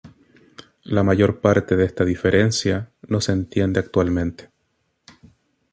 La mayor parte de esta diferencia no se entiende actualmente.